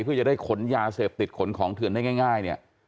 เพื่อจะได้ขนยาเสพติดขนของเถื่อนได้ง่ายเนี่ย